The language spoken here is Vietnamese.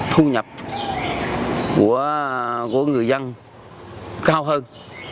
thu nhập của người dân cao hơn